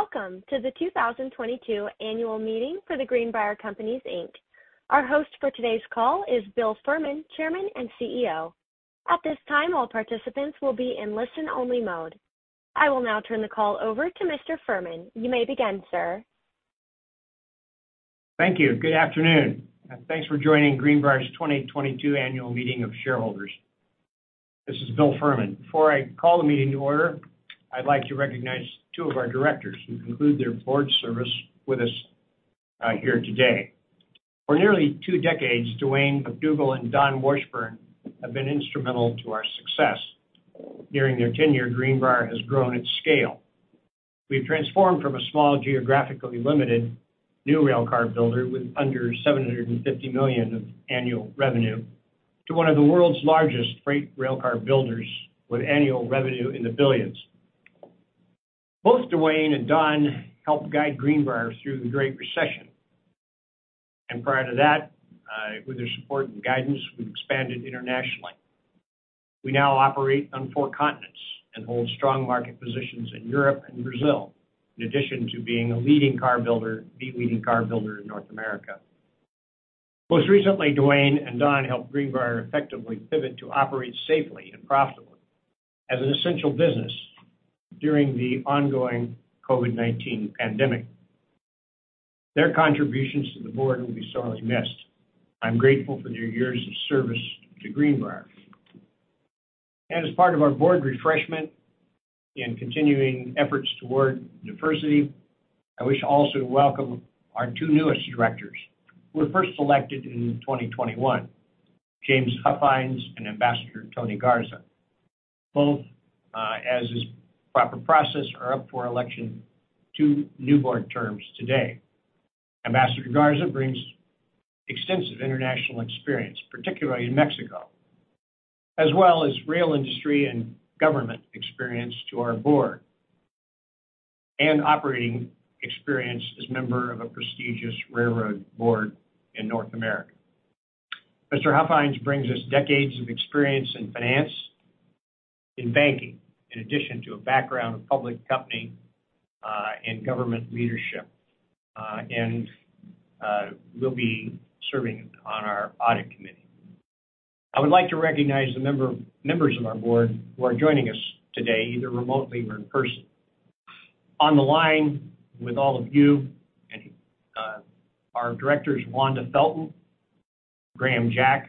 Welcome to the 2022 annual meeting for The Greenbrier Companies, Inc. Our host for today's call is Bill Furman, Chairman and CEO. At this time, all participants will be in listen-only mode. I will now turn the call over to Mr. Furman. You may begin, sir. Thank you. Good afternoon, and thanks for joining Greenbrier's 2022 annual meeting of shareholders. This is Bill Furman. Before I call the meeting to order, I'd like to recognize two of our directors who conclude their board service with us here today. For nearly two decades, Duane McDougall and Don Washburn have been instrumental to our success. During their tenure, Greenbrier has grown its scale. We've transformed from a small, geographically limited new railcar builder with under $750 million of annual revenue to one of the world's largest freight railcar builders with annual revenue in the billions. Both Duane and Don helped guide Greenbrier through the Great Recession. Prior to that, with their support and guidance, we've expanded internationally. We now operate on four continents and hold strong market positions in Europe and Brazil, in addition to being a leading car builder, the leading car builder in North America. Most recently, Duane and Don helped Greenbrier effectively pivot to operate safely and profitably as an essential business during the ongoing COVID-19 pandemic. Their contributions to the board will be sorely missed. I'm grateful for their years of service to Greenbrier. As part of our board refreshment and continuing efforts toward diversity, I wish also to welcome our two newest directors who were first elected in 2021, James Huffines and Ambassador Tony Garza. Both, as is proper process, are up for election to new board terms today. Ambassador Garza brings extensive international experience, particularly in Mexico, as well as rail industry and government experience to our board, and operating experience as member of a prestigious railroad board in North America. Mr. Huffines brings us decades of experience in finance, in banking, in addition to a background of public company, and government leadership, and will be serving on our audit committee. I would like to recognize the members of our board who are joining us today, either remotely or in person. On the line with all of you and are directors Wanda Felton, Graeme Jack,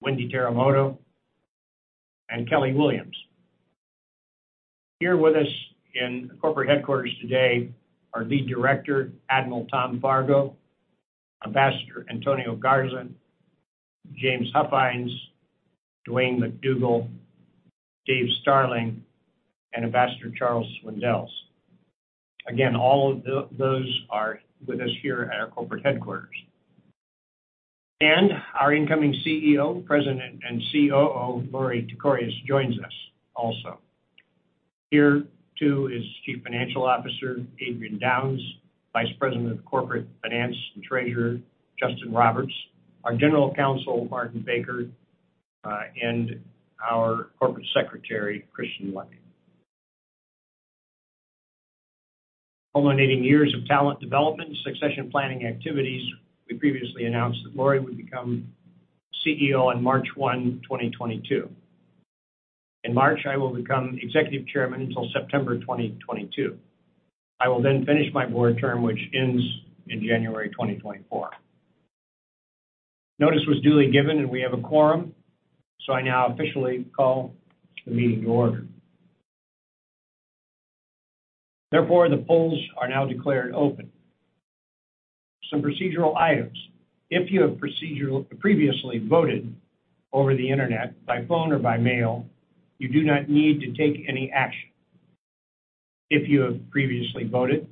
Wendy Teramoto, and Kelly Williams. Here with us in corporate headquarters today, our lead director, Admiral Tom Fargo, Ambassador Antonio Garza, James Huffines, Duane McDougall, Dave Starling, and Ambassador Charles Swindells. Again, all of those are with us here at our corporate headquarters. Our incoming CEO, President and COO, Lorie Tekorius joins us also. Here, too, is Chief Financial Officer Adrian Downes, Vice President of Corporate Finance and Treasurer Justin Roberts, our General Counsel Martin Baker, and our Corporate Secretary Christian Lucky. Culminating years of talent development and succession planning activities, we previously announced that Lorie would become CEO on March 1, 2022. In March, I will become executive chairman until September 2022. I will then finish my board term, which ends in January 2024. Notice was duly given and we have a quorum, so I now officially call the meeting to order. Therefore, the polls are now declared open. Some procedural items. If you have previously voted over the internet, by phone or by mail, you do not need to take any action. If you have previously voted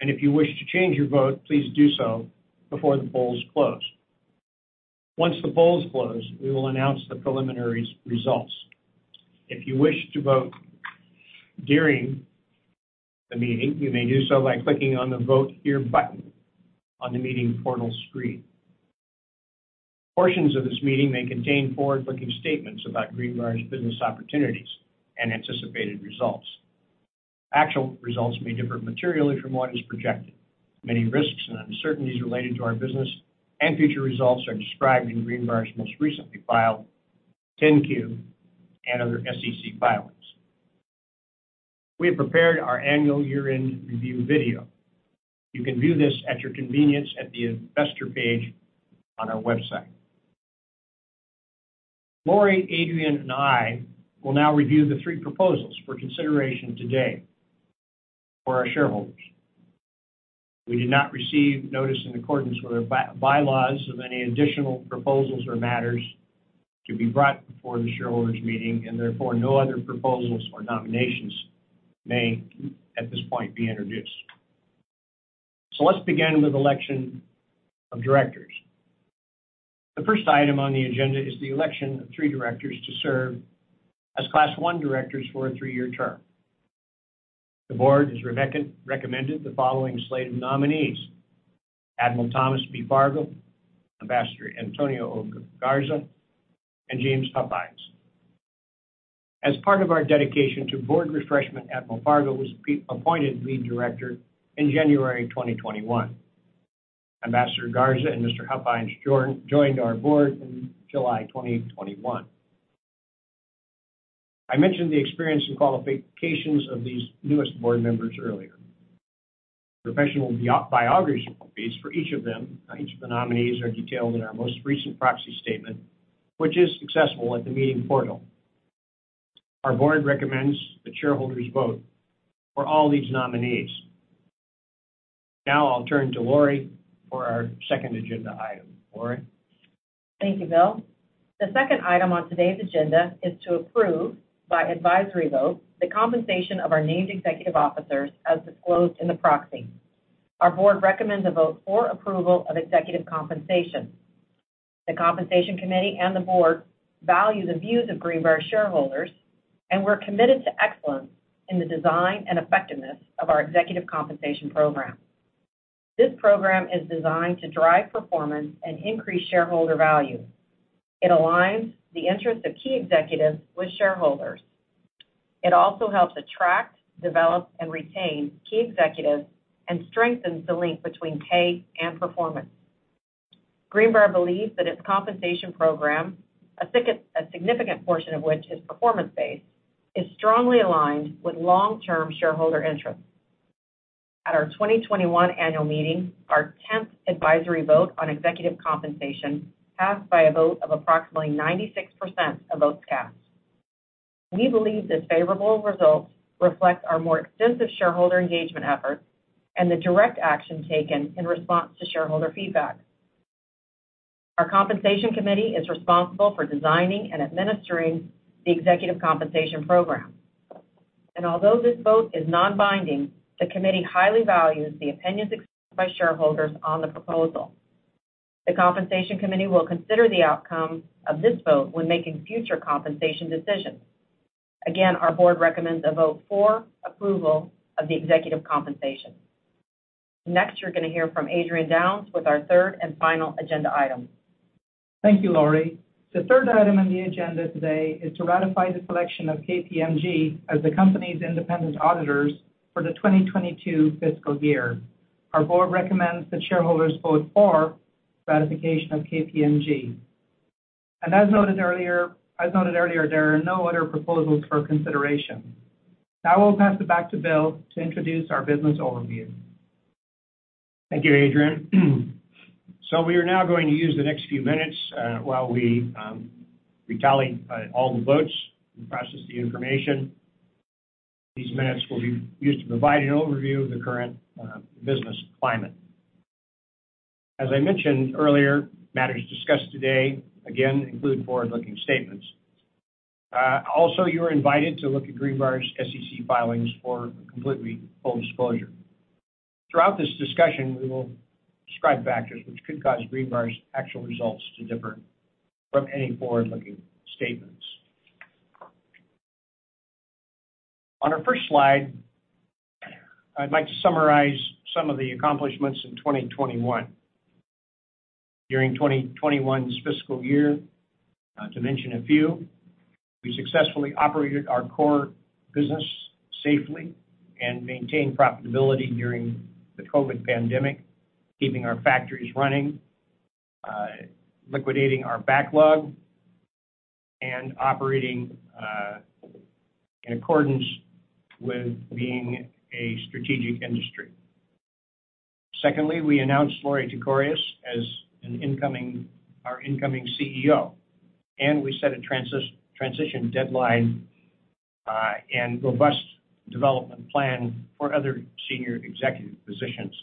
and if you wish to change your vote, please do so before the polls close. Once the polls close, we will announce the preliminary results. If you wish to vote during the meeting, you may do so by clicking on the Vote Here button on the meeting portal screen. Portions of this meeting may contain forward-looking statements about Greenbrier's business opportunities and anticipated results. Actual results may differ materially from what is projected. Many risks and uncertainties related to our business and future results are described in Greenbrier's most recently filed 10-Q and other SEC filings. We have prepared our annual year-end review video. You can view this at your convenience at the investor page on our website. Lorie, Adrian, and I will now review the three proposals for consideration today for our shareholders. We did not receive notice in accordance with our bylaws of any additional proposals or matters to be brought before the shareholders meeting, and therefore, no other proposals or nominations may, at this point, be introduced. Let's begin with election of directors. The first item on the agenda is the election of three directors to serve as Class One directors for a three-year term. The board has recommended the following slate of nominees Admiral Thomas B. Fargo, Ambassador Antonio O. Garza, and James Huffines. As part of our dedication to board refreshment, Admiral Fargo was appointed lead director in January 2021. Ambassador Garza and Mr. Huffines joined our board in July 2021. I mentioned the experience and qualifications of these newest board members earlier. Professional biographies for each of the nominees are detailed in our most recent proxy statement, which is accessible at the meeting portal. Our board recommends the shareholders vote for all these nominees. Now I'll turn to Lorie for our second agenda item. Lorie. Thank you, Bill. The second item on today's agenda is to approve, by advisory vote, the compensation of our named executive officers as disclosed in the proxy. Our board recommends a vote for approval of executive compensation. The Compensation Committee and the board value the views of Greenbrier shareholders, and we're committed to excellence in the design and effectiveness of our executive compensation program. This program is designed to drive performance and increase shareholder value. It aligns the interests of key executives with shareholders. It also helps attract, develop, and retain key executives and strengthens the link between pay and performance. Greenbrier believes that its compensation program, a significant portion of which is performance-based, is strongly aligned with long-term shareholder interests. At our 2021 annual meeting, our tenth advisory vote on executive compensation passed by a vote of approximately 96% of votes cast. We believe this favorable result reflects our more extensive shareholder engagement efforts and the direct action taken in response to shareholder feedback. Our Compensation Committee is responsible for designing and administering the executive compensation program. Although this vote is non-binding, the committee highly values the opinions expressed by shareholders on the proposal. The Compensation Committee will consider the outcome of this vote when making future compensation decisions. Again, our board recommends a vote for approval of the executive compensation. Next, you're gonna hear from Adrian Downes with our third and final agenda item. Thank you, Lori. The third item on the agenda today is to ratify the selection of KPMG as the company's independent auditors for the 2022 fiscal year. Our board recommends that shareholders vote for ratification of KPMG. As noted earlier, there are no other proposals for consideration. Now I'll pass it back to Bill to introduce our business overview. Thank you, Adrian. We are now going to use the next few minutes while we tally all the votes and process the information. These minutes will be used to provide an overview of the current business climate. As I mentioned earlier, matters discussed today again include forward-looking statements. Also, you're invited to look at Greenbrier's SEC filings for complete and full disclosure. Throughout this discussion, we will describe factors which could cause Greenbrier's actual results to differ from any forward-looking statements. On our first slide, I'd like to summarize some of the accomplishments in 2021. During 2021's fiscal year, to mention a few, we successfully operated our core business safely and maintained profitability during the COVID pandemic, keeping our factories running, liquidating our backlog and operating in accordance with being a strategic industry. Secondly, we announced Lorie Tekorius as our incoming CEO, and we set a transition deadline and robust development plan for other senior executive positions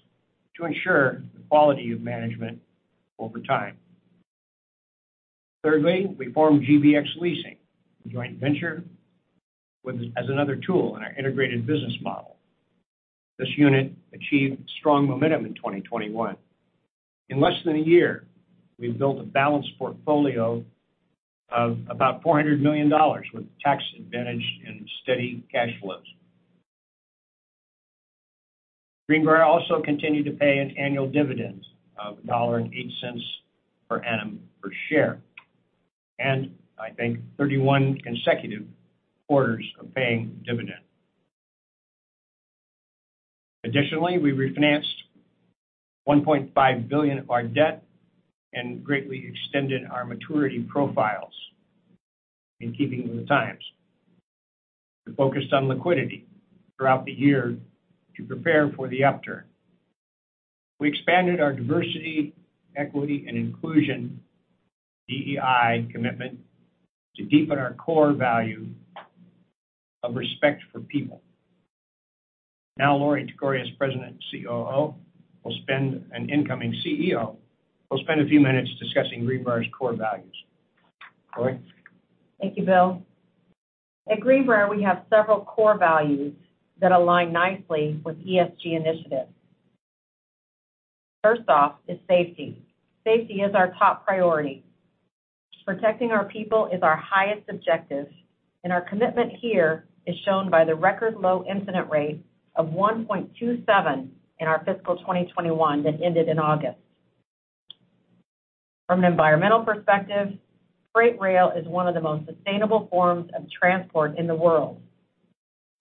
to ensure the quality of management over time. Thirdly, we formed GBX Leasing, a joint venture as another tool in our integrated business model. This unit achieved strong momentum in 2021. In less than a year, we've built a balanced portfolio of about $400 million with tax advantage and steady cash flows. Greenbrier also continued to pay an annual dividend of $0.08 per annum per share, and I think 31 consecutive quarters of paying dividend. Additionally, we refinanced $1.5 billion of our debt and greatly extended our maturity profiles in keeping with the times. We focused on liquidity throughout the year to prepare for the upturn. We expanded our diversity, equity, and inclusion, DEI commitment, to deepen our core value of respect for people. Now Lorie Tekorius, President and COO and incoming CEO, will spend a few minutes discussing Greenbrier's core values. Lori. Thank you, Bill. At Greenbrier, we have several core values that align nicely with ESG initiatives. First off is safety. Safety is our top priority. Protecting our people is our highest objective, and our commitment here is shown by the record low incident rate of 1.27 in our fiscal 2021 that ended in August. From an environmental perspective, freight rail is one of the most sustainable forms of transport in the world.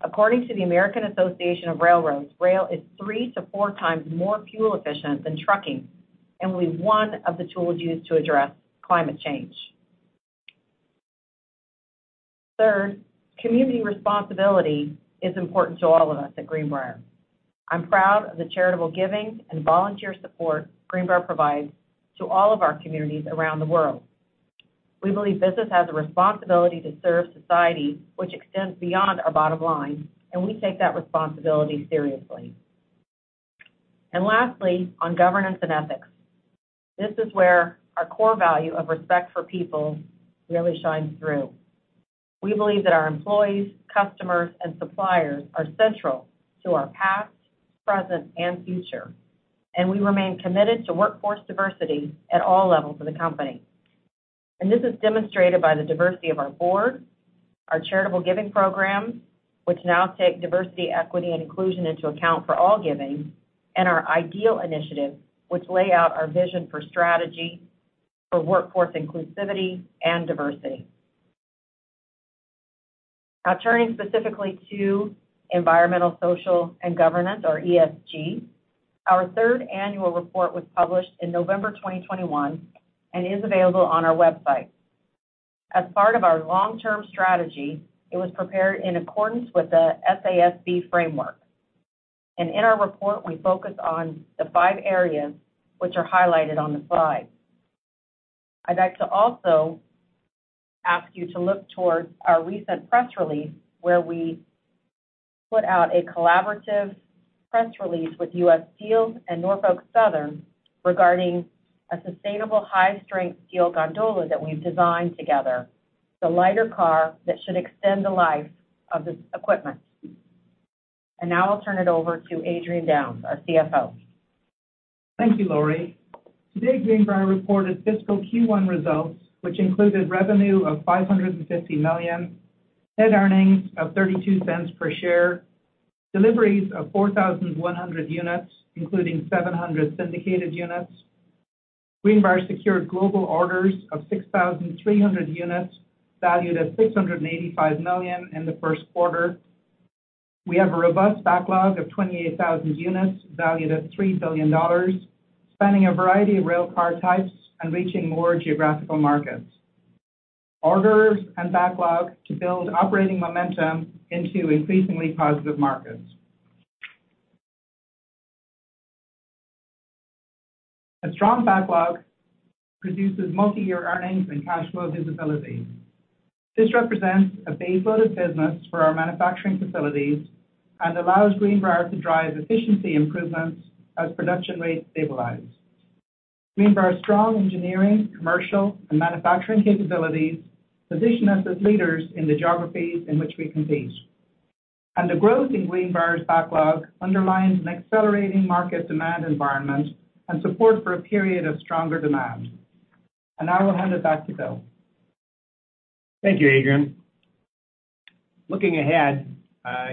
According to the Association of American Railroads, rail is 3x-4x more fuel efficient than trucking, and will be one of the tools used to address climate change. Third, community responsibility is important to all of us at Greenbrier. I'm proud of the charitable giving and volunteer support Greenbrier provides to all of our communities around the world. We believe business has a responsibility to serve society which extends beyond our bottom line, and we take that responsibility seriously. Lastly, on governance and ethics. This is where our core value of respect for people really shines through. We believe that our employees, customers, and suppliers are central to our past, present, and future, and we remain committed to workforce diversity at all levels of the company. This is demonstrated by the diversity of our board, our charitable giving programs, which now take diversity, equity, and inclusion into account for all giving, and our IDEAL initiative, which lay out our vision for strategy for workforce inclusivity and diversity. Now turning specifically to environmental, social, and governance, or ESG. Our third annual report was published in November 2021 and is available on our website. As part of our long-term strategy, it was prepared in accordance with the SASB framework. In our report, we focus on the five areas which are highlighted on the slide. I'd like to also ask you to look towards our recent press release, where we put out a collaborative press release with U.S. Steel and Norfolk Southern regarding a sustainable high-strength steel gondola that we've designed together. It's a lighter car that should extend the life of this equipment. Now I'll turn it over to Adrian Downes, our CFO. Thank you, Lori. Today, Greenbrier reported fiscal Q1 results, which included revenue of $550 million, net earnings of $0.32 per share, deliveries of 4,100 units, including 700 syndicated units. Greenbrier secured global orders of 6,300 units valued at $685 million in the first quarter. We have a robust backlog of 28,000 units valued at $3 billion, spanning a variety of rail car types and reaching more geographical markets. Orders and backlog to build operating momentum into increasingly positive markets. A strong backlog produces multi-year earnings and cash flow visibility. This represents a base load of business for our manufacturing facilities and allows Greenbrier to drive efficiency improvements as production rates stabilize. Greenbrier's strong engineering, commercial, and manufacturing capabilities position us as leaders in the geographies in which we compete. The growth in Greenbrier's backlog underlines an accelerating market demand environment and support for a period of stronger demand. Now I will hand it back to Bill. Thank you, Adrian. Looking ahead,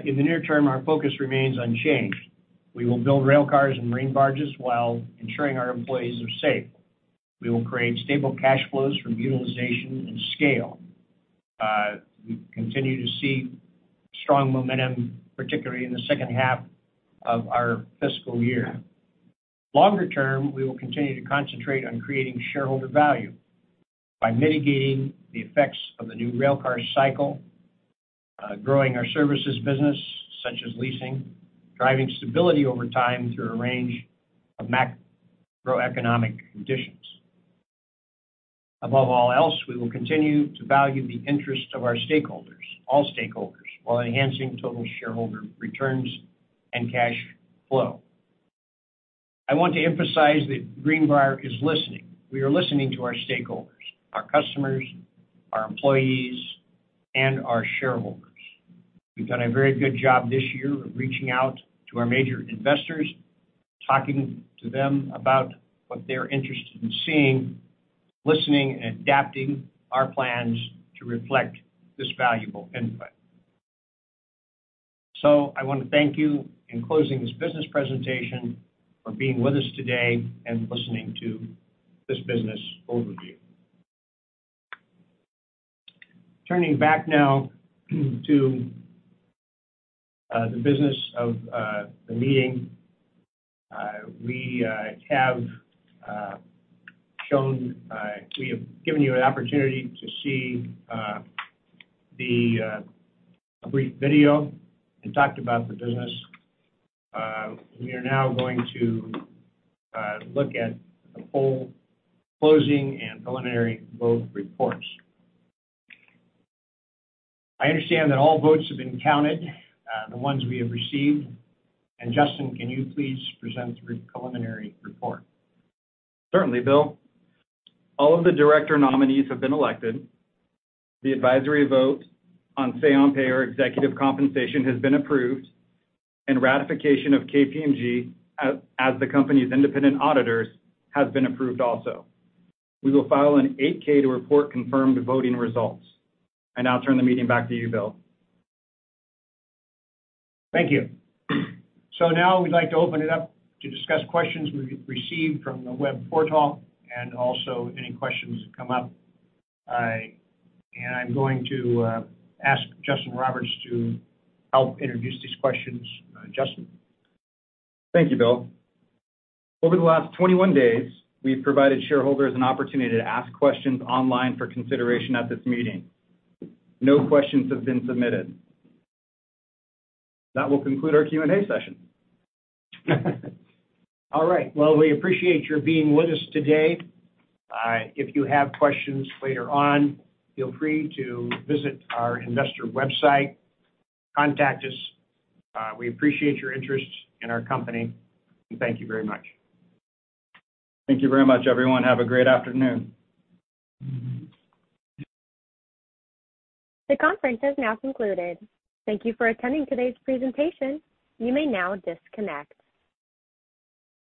in the near term, our focus remains unchanged. We will build rail cars and marine barges while ensuring our employees are safe. We will create stable cash flows from utilization and scale. We continue to see strong momentum, particularly in the second half of our fiscal year. Longer term, we will continue to concentrate on creating shareholder value by mitigating the effects of the new rail car cycle, growing our services business, such as leasing, driving stability over time through a range of macroeconomic conditions. Above all else, we will continue to value the interest of our stakeholders, all stakeholders, while enhancing total shareholder returns and cash flow. I want to emphasize that Greenbrier is listening. We are listening to our stakeholders, our customers, our employees, and our shareholders. We've done a very good job this year of reaching out to our major investors, talking to them about what they're interested in seeing, listening and adapting our plans to reflect this valuable input. I want to thank you in closing this business presentation for being with us today and listening to this business overview. Turning back now to the business of the meeting. We have given you an opportunity to see a brief video and talked about the business. We are now going to look at the poll closing and preliminary vote reports. I understand that all votes have been counted, the ones we have received. Justin, can you please present the preliminary report? Certainly, Bill. All of the director nominees have been elected. The advisory vote on say-on-pay or executive compensation has been approved, and ratification of KPMG as the company's independent auditors has been approved also. We will file an 8-K to report confirmed voting results. I now turn the meeting back to you, Bill. Thank you. Now we'd like to open it up to discuss questions we've received from the web portal and also any questions that come up. I'm going to ask Justin Roberts to help introduce these questions. Justin. Thank you, Bill. Over the last 21 days, we've provided shareholders an opportunity to ask questions online for consideration at this meeting. No questions have been submitted. That will conclude our Q&A session. All right. Well, we appreciate your being with us today. If you have questions later on, feel free to visit our investor website. Contact us. We appreciate your interest in our company, and thank you very much. Thank you very much, everyone. Have a great afternoon. The conference has now concluded. Thank you for attending today's presentation. You may now disconnect.